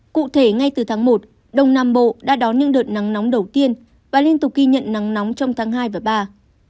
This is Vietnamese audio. cụ thể ngay từ tháng một đông nam bộ đã đón những đợt nắng nóng đầu tiên và liên tục ghi nhận nắng nóng trong tháng hai và ba